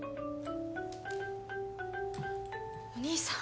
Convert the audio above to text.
お義兄さん